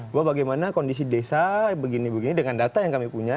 bahwa bagaimana kondisi desa begini begini dengan data yang kami punya